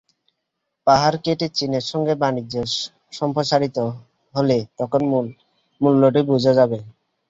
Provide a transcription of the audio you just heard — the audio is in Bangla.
পাহাড় কেটে চীনের সঙ্গে বাণিজ্য সম্প্রসারিত হলে তখন মূল্যটি বোঝা যাবে।